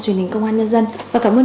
truyền hình công an nhân dân và cảm ơn